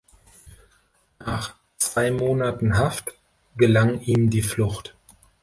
Nach zwei Monaten Haft gelang ihm die Flucht.